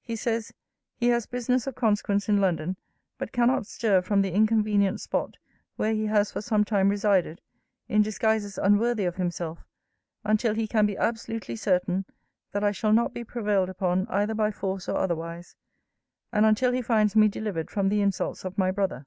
He says, 'He has business of consequence in London: but cannot stir from the inconvenient spot where he has for some time resided, in disguises unworthy of himself, until he can be absolutely certain, that I shall not be prevailed upon, either by force or otherwise; and until he finds me delivered from the insults of my brother.